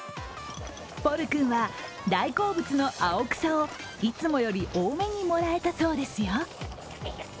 ポル君は、大好物の青草をいつもより多めにもらえたそうですよ。